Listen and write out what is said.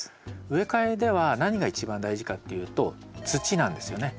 植え替えでは何が一番大事かっていうと土なんですよね。